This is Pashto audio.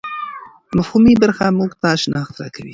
مفهومي برخه موږ ته شناخت راکوي.